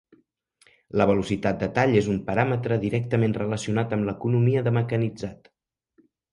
La velocitat de tall és un paràmetre directament relacionat amb l'economia de mecanitzat.